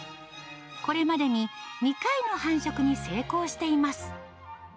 これまでに２回の繁殖に成功しています。